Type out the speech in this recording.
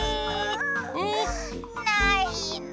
うん。ないの。